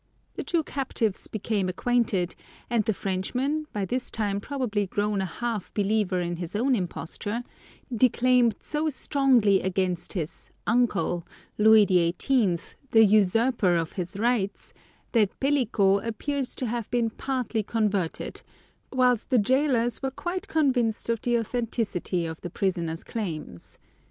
The two captives became acquainted, and the Frenchman, by this time probably grown a half believer in his own imposture, declaimed so strongly against his "uncle," Louis the Eighteenth, the usurper of his rights, that Pellico appears to have been partly converted, whilst the jailers were quite convinced of the authenticity of the prisoner's claims.